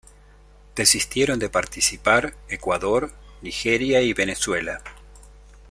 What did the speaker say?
Desistieron de participarː Ecuador, Nigeria y Venezuela.